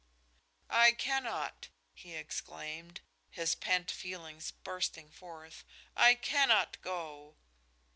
"I cannot!" he exclaimed, his pent feelings bursting forth. "I cannot go!"